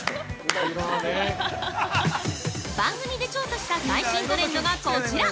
◆番組で調査した最新トレンドがこちら！